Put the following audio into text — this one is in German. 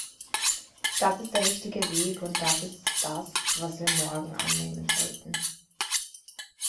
Das ist der richtige Weg, und das ist das, was wir morgen annehmen sollten.